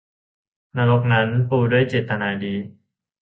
นรกนั้นปูด้วยเจตนาดี